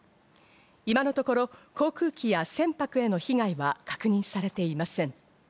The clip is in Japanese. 今のところ、航空機や船舶への被害は確認されていません。